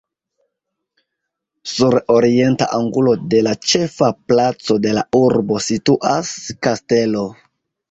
Sur orienta angulo de la ĉefa placo de la urbo situas kastelo.